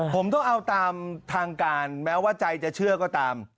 ผมต้องเอาตามทางการแม้ว่าใจจะเชื่อก็ตาม